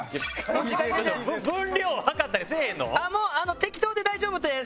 もう適当で大丈夫です。